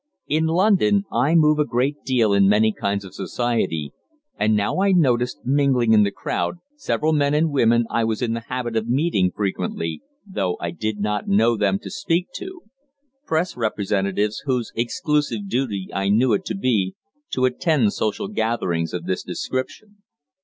In London I move a good deal in many kinds of society, and now I noticed, mingling in the crowd, several men and women I was in the habit of meeting frequently, though I did not know them to speak to Press representatives whose exclusive duty I knew it to be to attend social gatherings of this description.